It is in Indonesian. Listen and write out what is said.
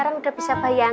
oh lu ga bikin